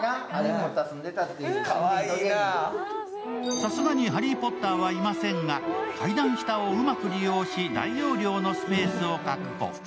さすがにハリー・ポッターはいませんが、階段下をうまく利用し、大容量のスペースを確保。